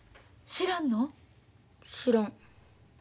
知らん。